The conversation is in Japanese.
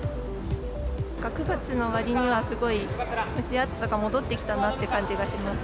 ９月のわりにはすごい、蒸し暑さが戻ってきたなっていう感じがします。